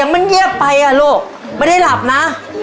ไม่ได้หลับอ่ะ